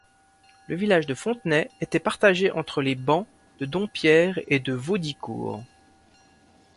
Le village de Fontenay était partagé entre les bans de Dompierre et de Vaudicourt.